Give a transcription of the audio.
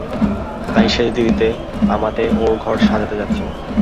তাই সেজদিদিতে আমাতে ওঁর ঘর সাজাতে যাচ্ছি।